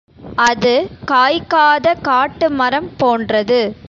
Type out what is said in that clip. அது காய்க்காத காட்டுமரம் போன்றது.